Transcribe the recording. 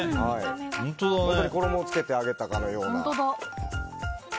本当に衣をつけて揚げたかのような。